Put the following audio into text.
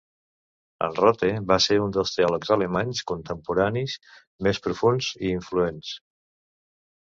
En Rothe va ser un dels teòlegs alemanys contemporanis més profunds i influents.